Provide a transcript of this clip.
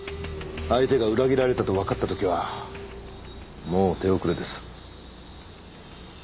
相手が裏切られたとわかった時はもう手遅れです。